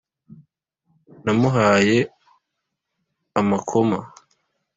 namuhaye amakoma